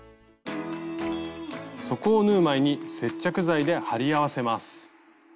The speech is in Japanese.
底を縫う前に接着材で貼り合わせます。